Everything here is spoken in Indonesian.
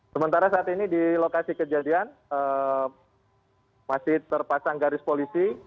sementara saat ini di lokasi kejadian masih terpasang garis polisi